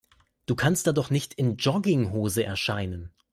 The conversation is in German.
Du kannst da doch nicht in Jogginghose erscheinen.